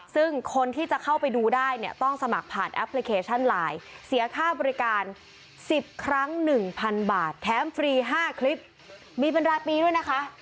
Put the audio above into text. ซึ่งคนที่จะเข้าไปดูได้เนี่ยต้องสมัครผ่านแอปพลิเคชันไลน์เสียค่าบริการ๑๐ครั้ง๑๐๐๐บาทแถมฟรี๕คลิปมีเป็นรายปีด้วยนะคะ